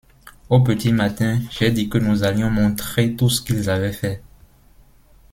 Au petit matin, j'ai dit que nous allions montrer tout ce qu'ils avaient fait.